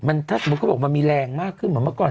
ถ้าสมมุติเขาบอกมันมีแรงมากขึ้นเหมือนเมื่อก่อน